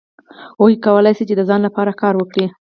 هغوی کولای شول چې د ځان لپاره کار وکړي.